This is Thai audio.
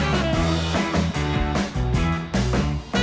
รับทราบ